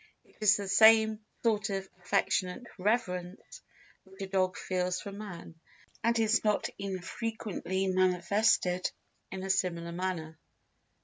It is the same sort of affectionate reverence which a dog feels for man, and is not infrequently manifested in a similar manner.